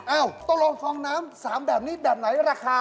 เอ้าตัวโรงฟองน้ำ๓แบบนี้แบบไหนราคา